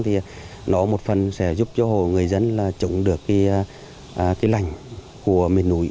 thì nó một phần sẽ giúp cho người dân là chống được cái lành của miền núi